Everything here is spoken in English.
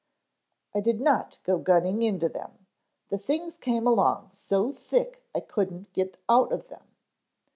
"I did not go gunning into them. The things came along so thick I couldn't get out of them.